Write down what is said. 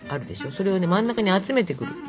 それを真ん中に集めてくる。